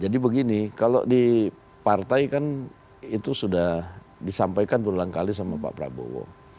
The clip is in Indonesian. jadi begini kalau di partai kan itu sudah disampaikan berulang kali sama pak prabowo